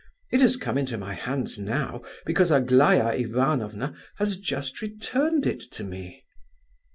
It has come into my hands now because Aglaya Ivanovna has just returned it to me."